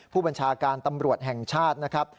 ผู้บัญชาการตำรวจแห่งชาตินะครับ